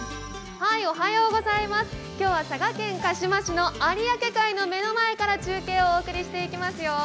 今日は佐賀県鹿島市の有明海の目の前から中継をお送りしていきますよ。